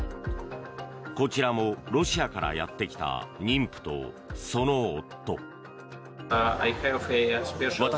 こちらもロシアからやってきた妊婦とその夫。